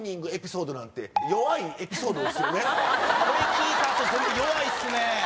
これ聞いた後それ弱いっすね。